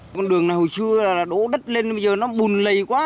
con đường này hồi xưa là đổ đất lên bây giờ nó bùn lầy quá